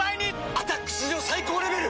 「アタック」史上最高レベル！